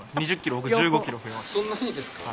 そんなにですか？